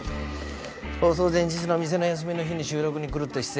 放送前日の店の休みの日に収録に来るって姿勢